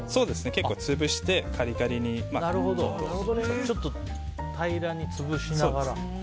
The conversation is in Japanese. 結構、潰してちょっと平らに潰しながら。